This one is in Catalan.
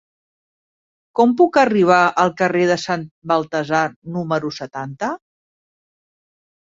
Com puc arribar al carrer de Sant Baltasar número setanta?